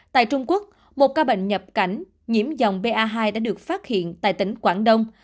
tại trung quốc một ca bệnh nhập cảnh nhiễm dòng ba hai đã được phát hiện tại tỉnh quảng đông